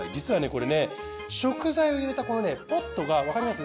これね食材を入れたこのねポットがわかります？